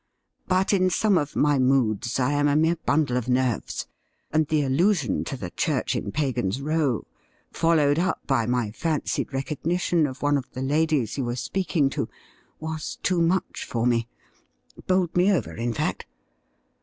But in some of my moods I am a mere bundle of nerves, and the allusion to the church in Pagan's Row, followed up by my fancied recognition of one of the ladies you were speaking to, was too much for me — ^bowled me over, in fact.